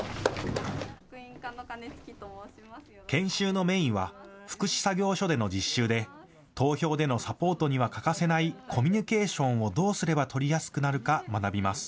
研修のメインは福祉作業所での実習で投票でのサポートには欠かせないコミミュニケーションをどうすれば取りやすくなるか学びます。